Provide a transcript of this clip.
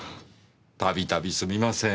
度々すみません。